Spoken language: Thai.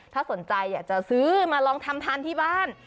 ถ้าสนใจอยากจะซื้อมาลองทำทานที่บ้าน